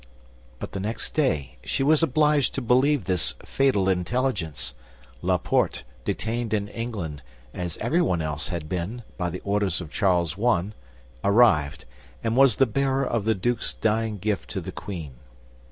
But the next day she was obliged to believe this fatal intelligence; Laporte, detained in England, as everyone else had been, by the orders of Charles I., arrived, and was the bearer of the duke's dying gift to the queen.